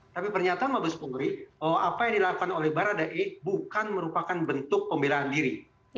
tapi pernyataan mabes polri apa yang dilakukan oleh baradae bukan merupakan bentuk pembelaan diri